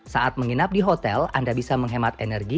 saat menginap di hotel anda bisa menghemat energi